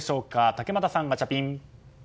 竹俣さん、ガチャピン。